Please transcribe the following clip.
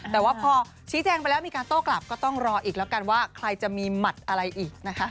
แต่ว่าพอชี้แจงไปแล้วมีการโต้กลับก็ต้องรออีกแล้วกันว่าใครจะมีหมัดอะไรอีกนะคะ